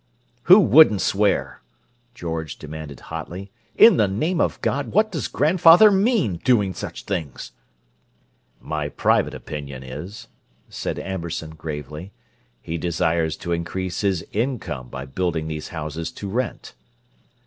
"Who wouldn't swear?" George demanded hotly. "In the name of God, what does grandfather mean, doing such things?" "My private opinion is," said Amberson gravely, "he desires to increase his income by building these houses to rent."